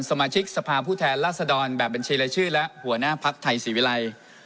สมาชิกสภาพผู้แทนรัศดรแบบบัญชีรายชื่อและหัวหน้าภักดิ์ไทยศรีวิรัย